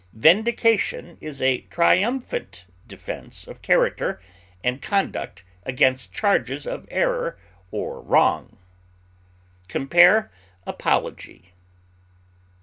Vindication is a triumphant defense of character and conduct against charges of error or wrong. Compare APOLOGY.